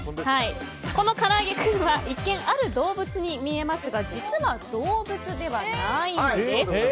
このからあげクンは一見ある動物に見えますが実は、動物ではないんです。